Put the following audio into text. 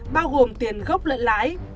bao gồm tiền gốc lợi lãi